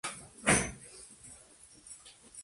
En total, figura en quince álbumes.